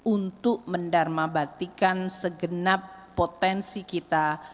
untuk mendarmabatikan segenap potensi kita